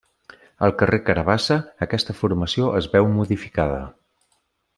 Al carrer Carabassa, aquesta formació es veu modificada.